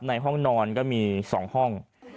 ในห้องนอนก็มี๒ห้อง